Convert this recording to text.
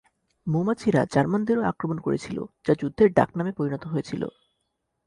মৌমাছিরা জার্মানদেরও আক্রমণ করেছিল, যা যুদ্ধের ডাকনামে পরিণত হয়েছিল।